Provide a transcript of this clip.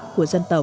của dân tộc